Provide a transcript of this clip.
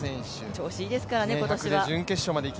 調子いいですからね、今年は。